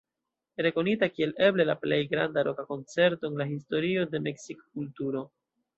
Rekonita kiel eble la plej granda roka koncerto en la historio de meksika kulturo.